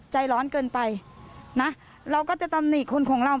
ใจร้อนเกินไปนะเราก็จะตำหนิคนของเรา